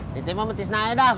ngitip mah mencetak aja dah